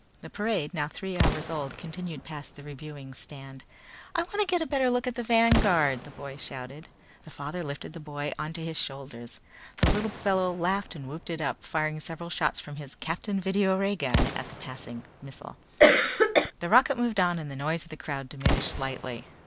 The parade, now three hours old, continued past the reviewing stand. "I wanna get a better look at the Vanguard!" the boy shouted. The father lifted the boy onto his shoulders. The little fellow laughed and whooped it up, firing several shots from his Captain Video Ray gun at the passing missile. The rocket moved on and the noise of the crowd diminished slightly.